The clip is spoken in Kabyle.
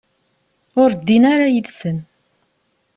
Ur ddan ara yid-sen.